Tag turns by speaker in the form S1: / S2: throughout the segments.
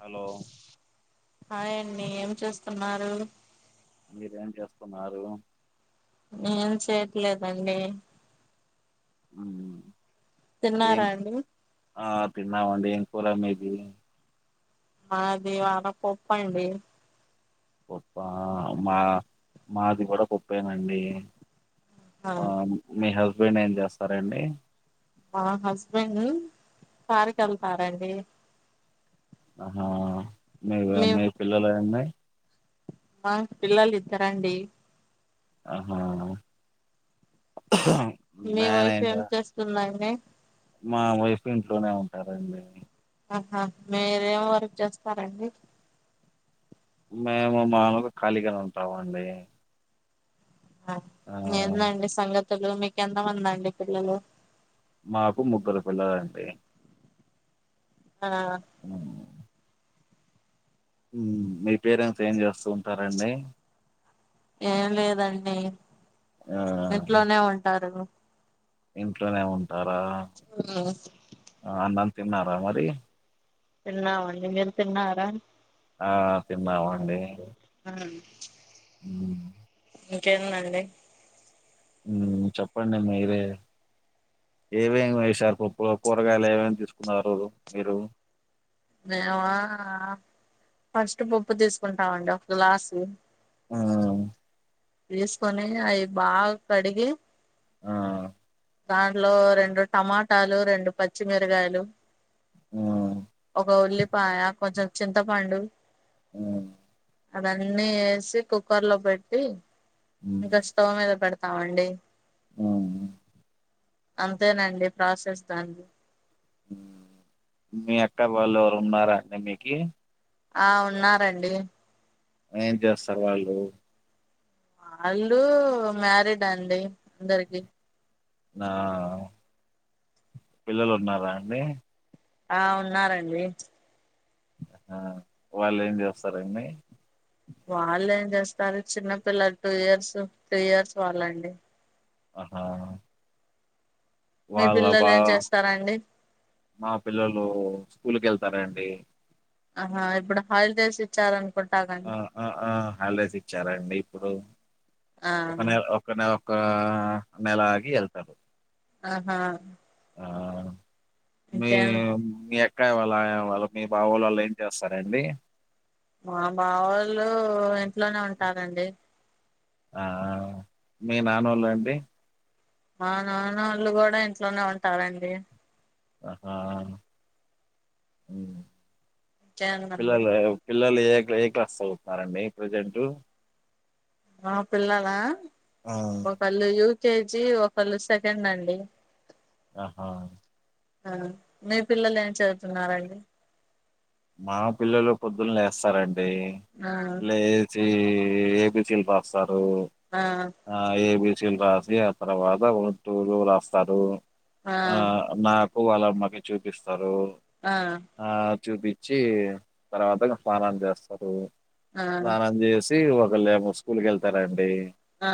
S1: Hello.
S2: Hi అండి ఏం చేస్తున్నారు.
S1: మీరేం చేస్తున్నారు.
S2: ఏం చేయట్లేదండి.
S1: ఉమ్.
S2: తిన్నారా అండి.
S1: తిన్నామండి ఏం కూర మీది.
S2: మాది ఇవాళ పప్పు అండి.
S1: పప్పా మా మాది కూడా పప్పేనండి.
S2: ఆ
S1: ఆహ్ మీ హస్బెండ్ ఏం చేస్తారండి.
S2: ఆహ్ మా హస్బెండ్ కారుకి వెళ్తారండి.
S1: ఆహా మీరు మీ పిల్లలు అన్నాయి.
S2: మాకు పిల్లలు ఇద్దరండి.
S1: ఆహా.
S2: మీ
S1: మ్యాన్
S2: వైఫ్ ఏం
S1: అయింది
S2: చేస్తుందండి.
S1: మా వైఫ్ ఇంట్లోనే ఉంటారండి.
S2: ఆహా మీరేం వర్క్ చేస్తారండి.
S1: మేము మామూలుగా ఖాళీగానే ఉంటామండి.
S2: ఆహ్
S1: ఆ
S2: ఎందండి సంగతులు మీకెంతమంది అండి పిల్లలు.
S1: మాకు ముగ్గురు పిల్లలండి
S2: ఆ
S1: మ్మ్. మీ పేరెంట్స్ ఏం చేస్తూ ఉంటారండి
S2: ఏం లేదండి
S1: ఆ
S2: ఇంట్లోనే ఉంటారు
S1: ఇంట్లోనే ఉంటారా అన్నం తిన్నారా మరి
S2: తిన్నామండి మీరు తిన్నారా
S1: ఆ తిన్నామండి ఉ
S2: ఇంకేందండి
S1: చెప్పండి మీరే ఏమేమి ఎసారు పప్పు కూరగాయలు ఏవేమి తీసుకున్నారు మీరు
S2: మేమా ఫస్ట్ పప్పు తీసుకుంటామండి ఒక గ్లాసు
S1: మ్మ్
S2: తీసుకొని అవి బాగా కడిగి
S1: ఆ
S2: దాంట్లో రెండు టమాటాలు రెండు పచ్చిమిరగాయలు
S1: మ్మ్
S2: ఒక ఉల్లిపాయ కొంచెం చింతపండు
S1: ఉ
S2: అవన్నీ వేసి కుక్కర్ లో పెట్టి ఇంకా స్టవ్ మీద పెడ్ తమండి
S1: ఆ
S2: అంతేనండి ప్రాసిస్తాం
S1: మీ అక్క వాళ్ళు ఎవరు ఉన్నారా అండి మీకి
S2: ఆ ఉన్నారండి
S1: ఏం చేస్తారు వాళ్ళు
S2: వాళ్ళు మ్యారీడ్ అండి అందరికి
S1: నా పిల్లలు ఉన్నారా అండి
S2: ఆ ఉన్నారండి
S1: ఆ వాళ్ళు ఏం చేస్తారండి
S2: వాళ్ళు ఏం చేస్తారు చిన్నపిల్లలు టూ ఇయర్స్ త్రీ ఇయర్స్ వాళ్ళండి
S1: అహ
S2: మీ
S1: వాళ్ళ
S2: పిల్లలు
S1: బా
S2: ఏం చేస్తారండి
S1: మా పిల్లలు స్కూల్కి వెళ్తారా అండి
S2: అహ ఇప్పుడు హాయిల్ దసి ఇచ్చార
S1: ఆ ఆ ఆ హాలిడేస్ ఇచ్చారండి ఇప్పుడు
S2: ఆ
S1: ఒక నె ఒక నె ఆ నెల ఏళ్తారు
S2: అహ
S1: మీ మీ అక్కయ వాళ్ళు ఆయ వాళ్ళు మీ బావోళ వాళ్ళు ఏం చేస్తారండి
S2: మా బావ వాళ్ళు ఇంట్లోనే ఉంటారండి
S1: ఆ మీ నాన్నోళ్లండి
S2: మా నాన్నోళ్ళు కూడా ఇంట్లోనే ఉంటారండి
S1: అహ ఉ
S2: ఇంకేందండి
S1: పిల్లలు పిల్లలు ఏ ఏ క్లాస్ చదువుతున్నారండి ప్రజెంట్
S2: మా పిల్లలా
S1: ఆ
S2: ఒకళ్ళు యు కేజీ ఒకళు సెకండ్ అండి
S1: అహ
S2: ఆ మీ పిల్లలు ఏం చదువుతున్నారండి
S1: మా పిల్లలు పొద్దున్న లేస్తారండి
S2: ఆ
S1: లేస్ ఏబిసిల్ బస్తారు
S2: ఆ
S1: ఆ ఏబి సిలు రాసి ఆ తర్వాత వన్ టూలు రాస్తారు ఆ నా వాళ్ళ అమ్మకి చూపిస్తరు
S2: ఆ
S1: చూపిచ్చి తర్వాత స్నానం చేస్తారు
S2: ఆ
S1: స్నానం చేసి ఒక ళ్ళమో స్కూల్కి వెళ్తారాండి
S2: ఆ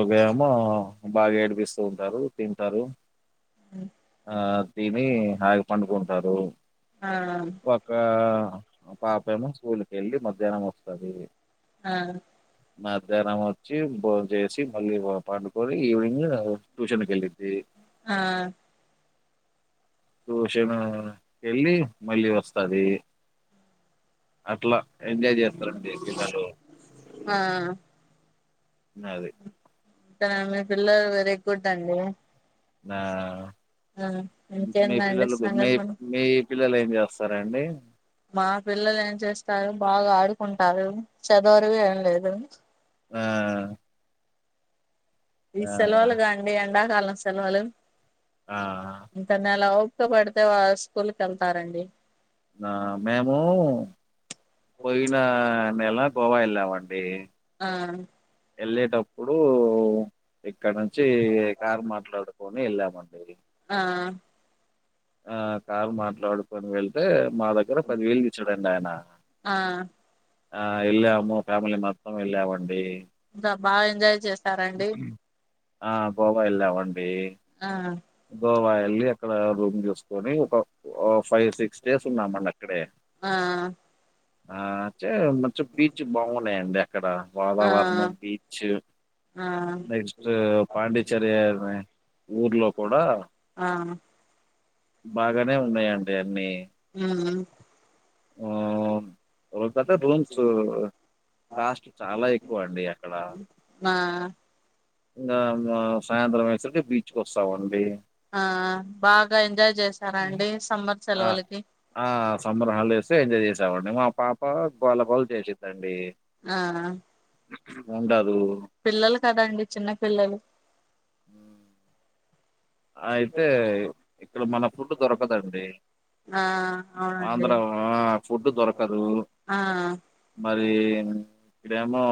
S1: ఉదయము బాగా ఏడిపిస్తూ ఉంటారు తింటారు
S2: అ
S1: ఆ తిని హాయిగ పండుకుంటారు
S2: ఆ
S1: ఒక పాపమో స్కూల్కి వెళ్ళి మధ్యాహ్నం వస్తది
S2: ఆ
S1: మధ్యానం వచ్చి భోన్ చేసి మళ్ళీ పండుకొని ఈవినింగ్ ట్యూషనికి వెళ్ళిద్ది
S2: ఆ
S1: ట్యూషన్ వెళ్ళి మళ్ళీ వస్ అది అట్లా ఎంజాయ్ చే దలా
S2: ఆ ఆ
S1: అది
S2: ఇక్కను మీ పిల్లలు వెరీ గుడ్ అండి
S1: నా
S2: ఆ
S1: మీ
S2: ఇంకేందండి
S1: పిల్లలకు మీ
S2: సంగతులు
S1: మీ పిల్లలు ఏం చేస్తారండి
S2: మా పిల్లలు ఏం చేస్తారు బాగా ఆడుకుంటారు చదవరువి ఏం లేదు
S1: ఆ
S2: ఈ
S1: ఆ
S2: సెలవులు కా అండి ఎండాకాలం సెలవులు
S1: ఆ
S2: ఇంటనే లా సుఖపడితే వా స్కూల్ కి వెళ్తారండి
S1: నా మేము పోయిన నెల గోవా ఎల్లామండి
S2: ఆ
S1: వెళ్ళేటప్పుడు ఇక్కడ నుంచి కారు మాట్లాడుకొని వెళ్ళామండి
S2: ఆ
S1: ఆ కారు మాట్లాడుకొని వెళ్తే మా దగ్గర పదివేలు ఇచ్చడండి ఆయన
S2: ఆ
S1: ఆ వెళ్ళాము ఫ్యామిలీ మొత్తం వెళ్ళామండి
S2: బాగ ఎంజాయ్ చేస్తార అండి
S1: ఆ గోవా వెళ్లామన్
S2: ఆ
S1: గోవా వెళ్ళి అక్కడ రూమ్ చూసుకొని ఒక ఫైవ్ సిక్స్ క్ స్టేస్ ఉన్నా మన్న అక్కడే
S2: ఆ
S1: ఆచ్చే మంచిం బీచ్ బాగున్నాయండి ఇక్కడ
S2: ఆ
S1: వాతావరణం బీచ్
S2: ఆ
S1: నెక్స్ట్ పాండిచెర్రీ ఊర్లో కూడా
S2: ఆ
S1: బాగానే ఉన్నాయండి అన్ని
S2: ఉ
S1: ఆ కాస్ట్ చాలా
S2: ఆ
S1: ఎక్కువండి అక్కడ.
S2: అ
S1: ఇంగా మా సాయంత్రం అయ్యే సరికి బీచ్ కు వస్తామండి
S2: ఆ బాగా ఎంజాయ్ చేసారండి సమ్మర్
S1: ఆహ్,
S2: సెలవులకి
S1: ఆ సమ్మర్ హాలిడేస్ ఎంజాయ్ చేశామండి మా ప్ప పాల్ పాల్ చేసిద్దండి
S2: ఆ
S1: ఉండదు.
S2: పిల్లలు కదండి చిన్న పిల్లలు
S1: ఉ అయితే ఇక్కడ మన ఫుడ్ దొరకదండి
S2: ఆ అవునండి
S1: ఆంధ్ర ఫుడ్ దొరకరు
S2: ఆ
S1: మ రి ఈడేమో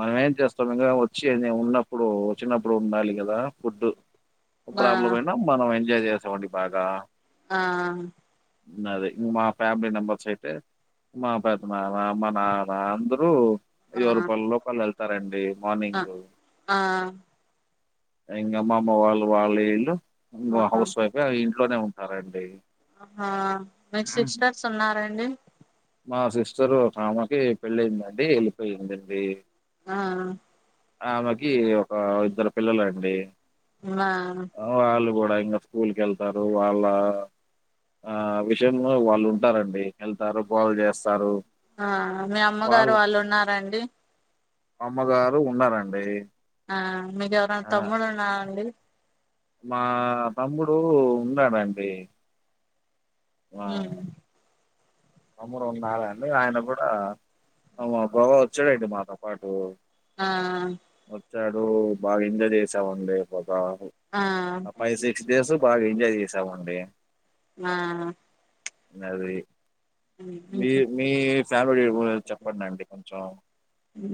S1: మనమేం చేస్తాం ఇంగ వచ్చి ఉన్నప్పుడు వచ్చినప్పుడు ఉండాలి కదా ఫుడ్
S2: ఆ
S1: ప్రాబ్లం అయినా మనం ఎంజాయ్ చేస్తామండి బాగా
S2: ఆ
S1: ఇంగ అది మా ఫేమిలీ మెంబర్స్ అయితే మా పెద్ద నాన్న మా నాన్నా అందరూ ఎవరుపల్లులోక్ వాళ్ళు వెళ్తారండి
S2: ఆ
S1: మార్నింగ్
S2: ఆ
S1: ఇంగ మ మామ్మ వాళ్ళు వాళ్ళ ఇళ్ళు ఇంగ హౌస్ వైఫె ఇంట్లోనే ఉంటారండి
S2: ఆ మీకు సిక్స్ స్టర్స్ ఉన్నారండి
S1: మా సిస్టరు ఒకామెకీ పెళ్ళయిందండి ఎళ్ళిపోయిందండి
S2: ఆ
S1: ఆమెకి ఒక ఇద్దరు పిల్లలండి
S2: మ
S1: అబ్బాయి ఇంకా స్కూల్ కెళ్తారు వాళ్ళ ఆ విషయం వాళ్ళు ఉంటారండి ఎళ్తారు గోల చేస్తారు
S2: ఆ మీ
S1: వాళ్ళ
S2: అమ్మగారు వాళ్ళున్నారండి
S1: అమ్మగారు ఉన్నారండి
S2: ఆ మీకు ఎవరైనా
S1: ఆ
S2: తమ్ముడు ఉన్నారాండి
S1: మా తమ్ముడు ఉన్నాడండి ఆ
S2: ఉమ్
S1: తమ్ముడు ఉన్నాడండి ఆయన కూడా అ బాబ వచ్చాడండి మాతో పాటు
S2: ఆ
S1: వచ్చాడు బాగా ఎంజాయ్ చేసామండి బ ఆ ఫైవ్ సిక్స్ డేస్ బాగా ఎంజాయ్ చేసామండి
S2: ఆ
S1: అది మీ మీ ఫ్యామిలీ చెప్పండండి కొంచెం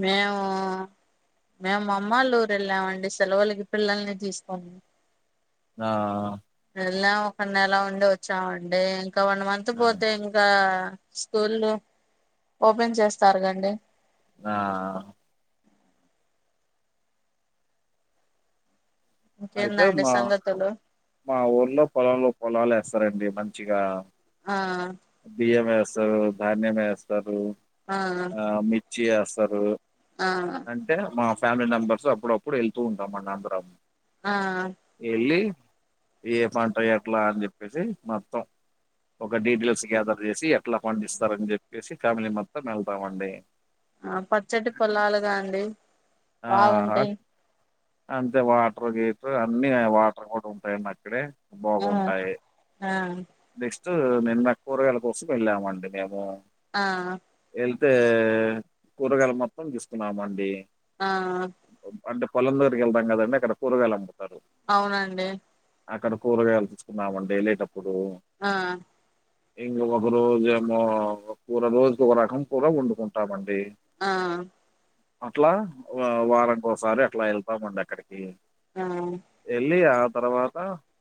S2: మేము మేము అమ్మలురు వెళ్ళామండి సెలవులకి పిల్లల్ని తీసుకొని
S1: ఆ
S2: వెళ్ళాం ఒక నెల ఉండి వచ్చామండి ఇంకా వన్ మంత్
S1: ఆ
S2: పోతే ఇంకా స్కూల్లు ఓపెన్ చేస్తారు కండి
S1: ఆ అయితే
S2: ఇంకేందండి
S1: మా
S2: సంగతులు
S1: మా ఊర్లో పొలాలు పొలాలు వేస్తారండి మంచిగా
S2: ఆ
S1: బియ్యం వేస్తారు ధాన్యం వేస్తారు ఆ మిర్చి ఏస్సారు
S2: ఆ
S1: అంటే మా ఫ్యామిలీ మెంబర్స్ అప్పుడప్పుడు వెళ్తూ ఉంటాం మన్న అందరం
S2: ఆ
S1: ఎళ్ళి ఏ పంట ఎట్లా అని చెప్పేసి మొత్తం ఒక డీటెయిల్స్ గ్యాదర్ చేసి ఎట్లా ఫండ్ ఇస్తారని చెప్పేసి ఫ్యామిలీ మొత్తం వెళ్తామండి
S2: ఆ పచ్చటి పొలాలుగా అండి
S1: ఆ
S2: బాగుంటాయి
S1: అంతే వాటర్ గేట్ అన్ని వాటర్ కూడా ఉంటాయండి అక్కడే
S2: ఆ
S1: బాగుంటాయ్
S2: ఆ
S1: నెక్స్ట్ నిన్న కూరగాయల కోసం వెళ్ళామండి మేము
S2: ఆ
S1: వెళ్తే కూరగాయలు మొత్తం తీసుకున్నామ అండి
S2: ఆ
S1: అంటే పొలం దగ్గరికి వెళ్తాం కదండి అక్కడ కూరగాయలు అమ్ముతారు
S2: అవునండి
S1: అక్కడ కూరగాయలు తీసుకున్నామండి వెళ్లేటప్పు ఇప్పుడు
S2: ఆ
S1: ఇంకొకరోజు పర రోజు ఒక కూడా వండుకుంటామండి
S2: ఆ
S1: అట్లా వారంకోసారి అట్లా వెళ్తామండి అక్కడికి
S2: ఆ
S1: వెళ్ళి ఆ తర్వాత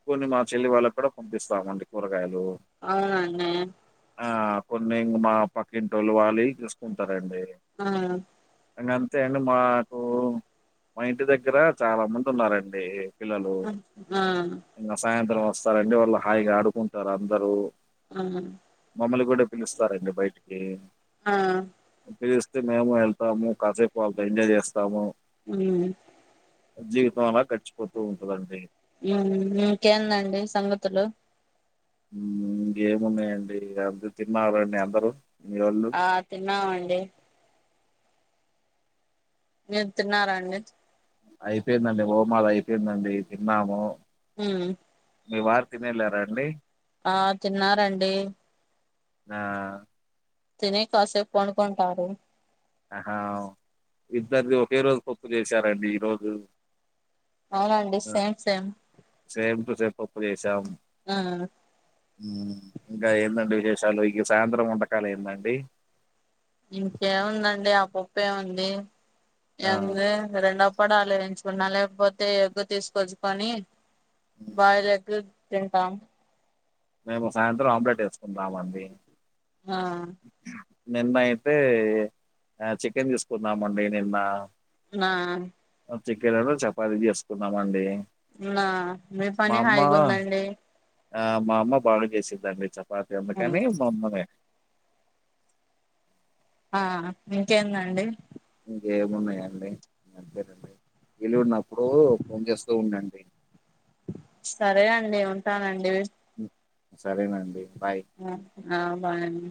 S1: కొన్ని మా చెల్లి వాళ్ళకి కూడా పంపిస్తామండి కూరగాయలు
S2: ఆవునా అన్న
S1: ఆ కొన్నిం మా పక్కింటోల్లి వాలి చూసుకుంటారండి
S2: ఆ ఆ
S1: ఇంగ అంతే అండి మాకు మా ఇంటి దగ్గర చాలా మంది ఉన్నారండి పిల్లలు
S2: ఆ
S1: ఇంగ సాయంత్రం వస్తారండి వాళ్ళు హాయిగా ఆడుకుంటారు అందరు మమ్మల్ని కూడా పిలుస్తారండి బయటికి
S2: ఆ
S1: పిలిస్తే మేము వెళ్తాము కాఫీ పాలతో ఎంజాయ్ చేస్తాము
S2: ఉ
S1: జీవితం అలా గడిచిపోతు ఉంటదండి
S2: ఉం ఇంకేందండి సంగతులు
S1: ఇంకేమున్నాయండి ఇగ అందరు తిన్నారండి అందరూ మీ వోళ్ళు
S2: ఆ తిన్నామండి మీరు తిన్నారా అండి
S1: అయిపోయిందండి ఓమాది అయిపోయిందండి తిన్నాము
S2: ఊ
S1: మీ వారు తినేళ్ళారా అండి
S2: ఆ తిన్నారండి
S1: ఆ
S2: తిని కాసేపు పడుకుంటారు
S1: ఆహా ఇద్దరిది ఒకే రోజు పప్పు చేశారండి ఈ రోజు
S2: అవునండి same same
S1: same to same పప్పు చేసాం
S2: ఆ
S1: ఇంకా ఏంట వి షాలుకి సాయంత్రం వంటకాలు ఏందండి
S2: ఇంకేముందండి ఆ పప్పు ఎ ఉంది
S1: ఆ
S2: ఏంది రెండ అప్పడాలు ఏయించుకున్నా లేకపోతే ఎగ్ తీసుకొచ్చుకొని
S1: ఉమ్,
S2: బాయిల్ ఎగ్ తింటాం
S1: మేము సాయంత్రం ఆమ్లెట్ వేసుకుంటామ అండి
S2: ఆ
S1: నిన్న అయితే చికెన్ తీసుకుందామండి నిన్న
S2: ఆ
S1: చికెనును చపాతి చేసుకున్నామండి
S2: ఆ మీ
S1: మా
S2: పని
S1: అమ్మ
S2: హాయిగా ఉందండి
S1: ఆ మా అమ్మ బాగా చేసిందండి చపాతి ఒకటినే మా అమ్మని
S2: ఆ ఇంకేందండి
S1: ఇంకేమున్నాయండి అంతేనండి వెలునప్పుడు ఫోన్ చేస్తూ ఉండండి
S2: సరే అండి ఉంటానండి
S1: సరేనండి బాయ్
S2: ఆ బాయ్ అండి